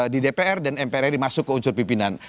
di dpr dan mpr ini masuk ke unsur pimpinan